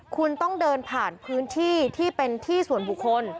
คุณต้องเดินผ่านพื้นที่ที่เป็นที่ส่วนบุคคล